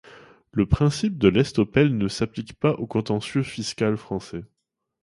Le principe de l’estoppel ne s’applique pas en contentieux fiscal français.